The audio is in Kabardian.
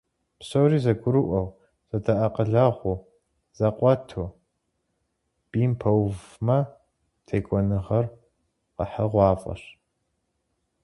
Псори зэгурыӀуэу, зэдэакъылэгъуу, зэкъуэту бийм пэувмэ, текӀуэныгъэр къэхьыгъуафӀэщ.